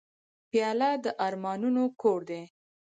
پیاله د ارمانونو کور دی.